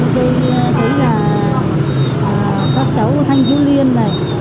tôi thấy là các cháu thanh vũ liên này